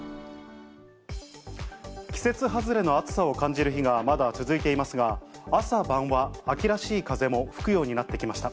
季節外れの暑さを感じる日がまだ続いていますが、朝晩は秋らしい風も吹くようになってきました。